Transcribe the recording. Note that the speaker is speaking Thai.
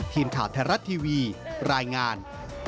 ทีมข่าวไทยรัฐทีวีรายงาน